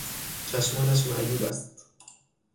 چشمانش معیوب است.